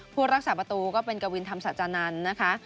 ผู้รักษาประตูก็เป็นกวินธรรมสัจจานันทร์นะคะ